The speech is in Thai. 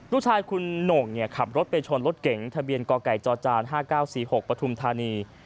ลูกชายคุณโหน่งขับรถไปชนรถเก๋งทะเบียนกไก่จจ๕๙๔๖ปฐุมธานี